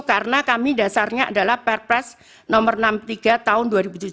karena kami dasarnya adalah perpres nomor enam puluh tiga tahun dua ribu tujuh belas